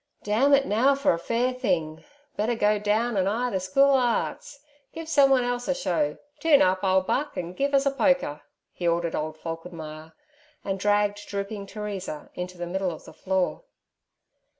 'Damn it now for a fair thing; better go down an' 'ire ther School o' Arts. Give someone else a show. Toon up, ole buck, an' give us a polka' he ordered old Falkenmeyer, and dragged drooping Teresa into the middle of the floor.